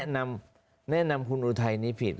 แนะนำคุณอุทัยนี้ผิด